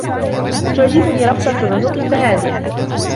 تُعجبني ربطةُ عنقكَ هذهِ.